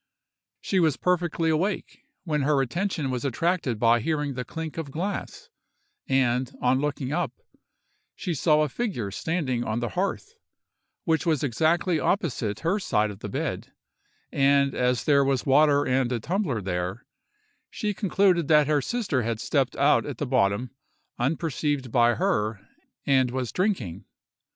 She was perfectly awake, when her attention was attracted by hearing the clink of glass, and, on looking up, she saw a figure standing on the hearth, which was exactly opposite her side of the bed, and as there was water and a tumbler there, she concluded that her sister had stepped out at the bottom, unperceived by her, and was drinking.